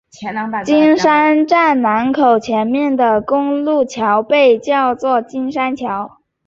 金山站南口前面的公路桥被叫做金山桥。